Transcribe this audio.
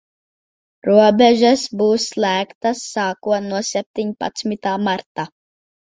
Robežas būs slēgtas sākot no septiņpadsmitā marta.